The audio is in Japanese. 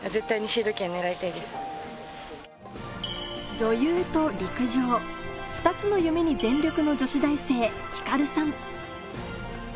女優と陸上２つの夢に全力の女子大生星瑠さん